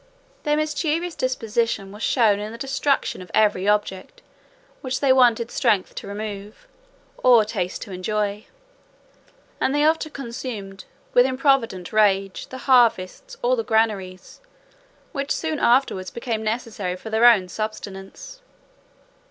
Their mischievous disposition was shown in the destruction of every object which they wanted strength to remove, or taste to enjoy; and they often consumed, with improvident rage, the harvests, or the granaries, which soon afterwards became necessary for their own subsistence.